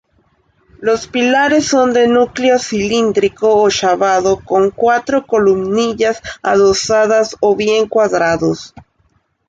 Los pilares son de núcleo cilíndrico ochavado con cuatro columnillas adosadas o bien cuadrados.